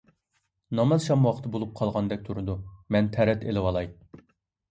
ناماز شام ۋاقتى بولۇپ قالغاندەك تۇرىدۇ، مەن تەرەت ئېلىۋالاي.